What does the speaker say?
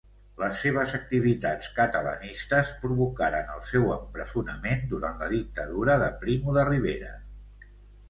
Les seves activitats catalanistes provocaren el seu empresonament durant la dictadura de Primo de Rivera.